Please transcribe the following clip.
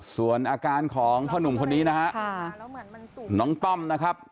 ส่วนอาการของพ่อหนุ่มคนนี้นะฮะน้องต้อมนะครับ